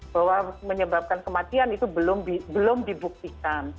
bahwa menyebabkan kematian itu belum dibuktikan